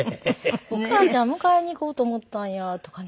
「お母ちゃん迎えに行こうと思ったんや」とかね。